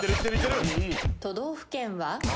都道府県は？